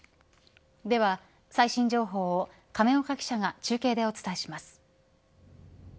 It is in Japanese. では、最新情報を亀岡記者が中継でお伝えします。